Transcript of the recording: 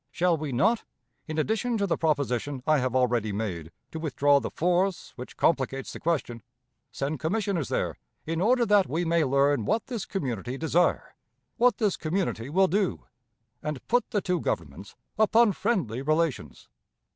Shall we not, in addition to the proposition I have already made, to withdraw the force which complicates the question, send commissioners there in order that we may learn what this community desire, what this community will do, and put the two Governments upon friendly relations?